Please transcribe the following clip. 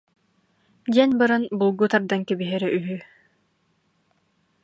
диэн баран булгу тардан кэбиһэрэ үһү